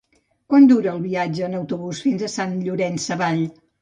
Quant dura el viatge en autobús fins a Sant Llorenç Savall?